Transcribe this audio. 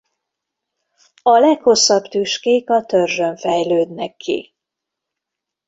A leghosszabb tüskék a törzsön fejlődnek ki.